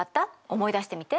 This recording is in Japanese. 思い出してみて。